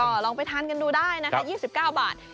ลองไปทานกันดูได้นะคะ๒๙บาท